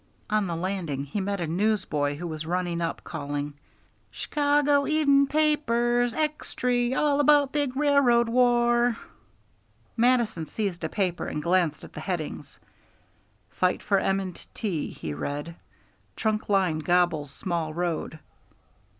On the landing he met a newsboy who was running up, calling: "Shcago Even' Papers! Extry! All about big railroad war!" Mattison seized a paper and glanced at the headings. "Fight for M. & T.," he read. "Trunk Line Gobbles Small Road."